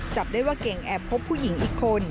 จับได้ว่าเก่งแอบคบผู้หญิงอีกคน